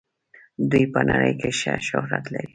دوی په نړۍ کې ښه شهرت لري.